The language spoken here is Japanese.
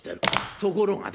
ところがだ